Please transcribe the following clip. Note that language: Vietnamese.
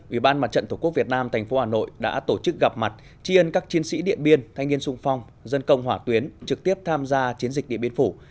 ủy ban mặt trận tổ quốc việt nam tp hà nội đã tổ chức gặp mặt tri ân các chiến sĩ điện biên thanh niên sung phong dân công hỏa tuyến trực tiếp tham gia chiến dịch điện biên phủ